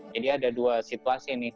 jadi ada dua situasi nih